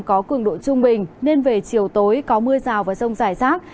có cường độ trung bình nên về chiều tối có mưa rào và rông rải rác